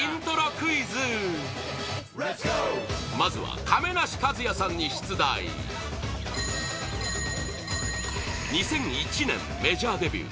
クイズまずは、亀梨和也さんに出題２００１年メジャーデビュー